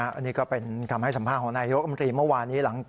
อันนี้ก็เป็นกำจัดสำภาคของนายยกลำดีเมื่อวานนี้